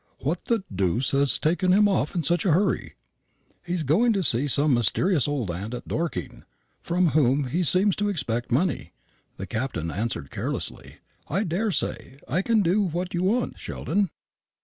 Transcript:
"What the deuce has taken him off in such a hurry?" "He is going to see some mysterious old aunt at Dorking, from whom he seems to expect money," the Captain answered carelessly. "I daresay I can do what you want, Sheldon."